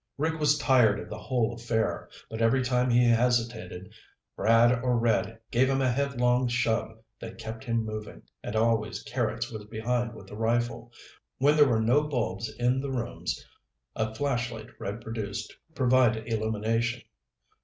Rick was tired of the whole affair, but every time he hesitated, Brad or Red gave him a headlong shove that kept him moving, and always Carrots was behind with the rifle. When there were no bulbs in the rooms a flashlight Red produced provided illumination.